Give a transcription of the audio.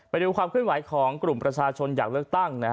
ไปดูความเคลื่อนไหวของกลุ่มประชาชนอยากเลือกตั้ง